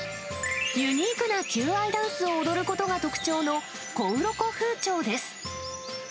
ユニークな求愛ダンスを踊ることが特徴の、コウロコフウチョウです。